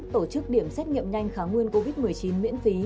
tổ chức điểm xét nghiệm nhanh kháng nguyên covid một mươi chín miễn phí